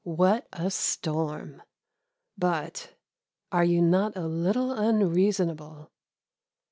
What a storm! But are you not a little unreasonable?